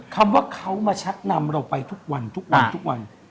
คำว่าเขามาชักนำเราไปทุกวันทุกวันทุกวันทุกวัน